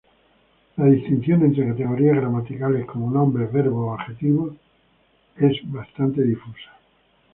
La distinción entre categorías gramaticales como nombres, verbos o adjetivos es bastante difusa.